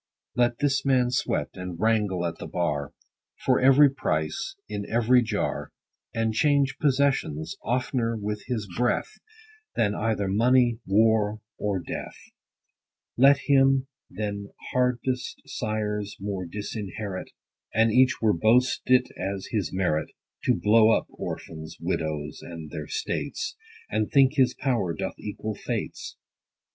Let this man sweat, and wrangle at the bar, For every price, in every jar, And change possessions, oftner with his breath, Than either money, war, or death : Let him, than hardest sires, more disinherit, And each where boast it as his merit, To blow up orphans, widows, and their states ; 70 And think his power doth equal fate's.